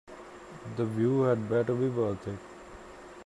The view had better be worth it.